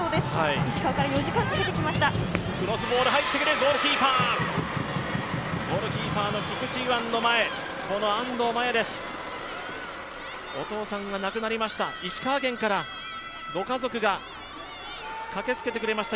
石川から４時間かけて来ました。